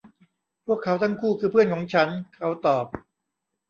พวกเขาทั้งคู่คือเพื่อนของฉัน เขาตอบ